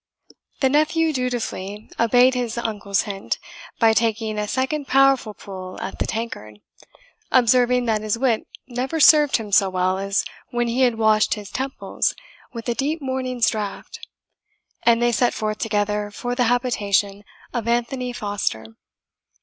The nephew dutifully obeyed his uncle's hint, by taking a second powerful pull at the tankard, observing that his wit never served him so well as when he had washed his temples with a deep morning's draught; and they set forth together for the habitation of Anthony Foster.